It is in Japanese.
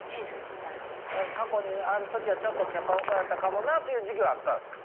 過去にあん時はちょっとキャパオーバーやったかもなっていう時期はあったんすか？